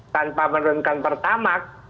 tanpa menurunkan pertama